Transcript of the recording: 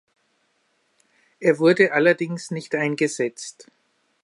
Er wurde allerdings nicht eingesetzt.